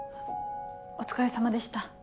お疲れさまでした。